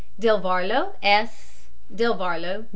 DEL VARLO, S. DEL VARLO, MRS.